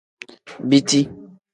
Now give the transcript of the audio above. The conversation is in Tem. Biti.